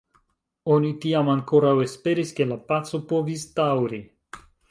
Oni tiam ankoraŭ esperis, ke la paco povis daŭri.